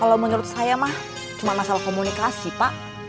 kalau menurut saya mah cuma masalah komunikasi pak